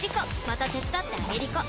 また手伝ってあげりこ！